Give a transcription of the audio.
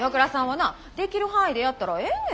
はなできる範囲でやったらええねん。